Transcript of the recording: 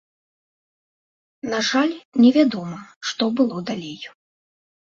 На жаль, невядома, што было далей.